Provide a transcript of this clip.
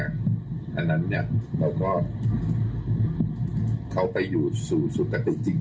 อันนั้นเราก็เขาไปอยู่สู่สุขติจริง